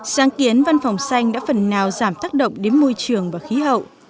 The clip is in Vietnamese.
sáng kiến văn phòng xanh đã phần nào giảm tác động đến môi trường và khí hậu